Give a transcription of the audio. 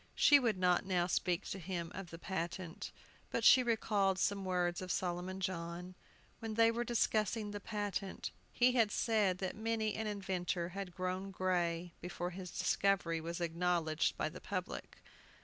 She would not now speak to him of the patent; but she recalled some words of Solomon John. When they were discussing the patent he had said that many an inventor had grown gray before his discovery was acknowledged by the public.